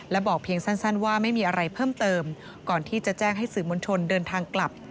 และบอกเพียงสั้นว่าไม่มีอะไรเพิ่มเติมก่อนที่จะแจ้งให้สื่อมวลชนเดินทางกลับ